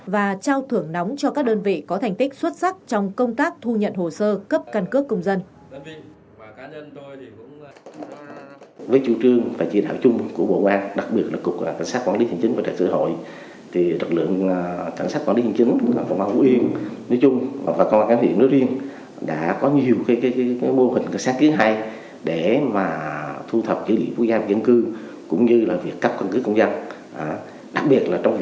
và trao thưởng nóng cho các đơn vị có thành tích xuất sắc trong công tác thu nhận hồ sơ cấp căn cước công dân